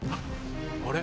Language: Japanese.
あれ？